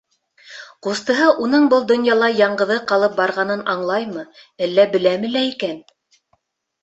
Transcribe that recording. Ҡустыһы уның был донъяла яңғыҙы ҡалып барғанын аңлаймы, әллә беләме лә икән?